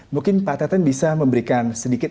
mungkin pak teten bisa memberikan sedikit